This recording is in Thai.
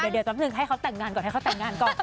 เดี๋ยวแป๊บนึงให้เขาแต่งงานก่อนให้เขาแต่งงานก่อน